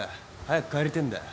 早く帰りてえんだよ。